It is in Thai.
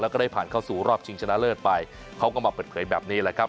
แล้วก็ได้ผ่านเข้าสู่รอบชิงชนะเลิศไปเขาก็มาเปิดเผยแบบนี้แหละครับ